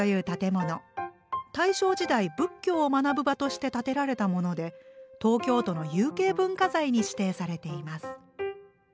大正時代仏教を学ぶ場として建てられたもので東京都の有形文化財に指定されています。